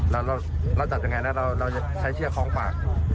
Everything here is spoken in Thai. เราจับอย่างไรเราใช้เชื่อคล้องปาก